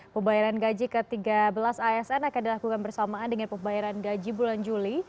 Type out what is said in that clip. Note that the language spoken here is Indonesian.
pembayaran gaji ke tiga belas asn akan dilakukan bersamaan dengan pembayaran gaji bulan juli